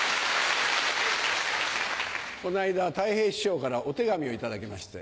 この間たい平師匠からお手紙を頂きまして。